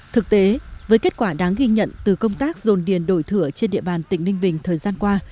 thực tế với kết quả đáng ghi nhận từ công tác dồn điền đổi thửa trên địa bàn tỉnh ninh bình thời gian qua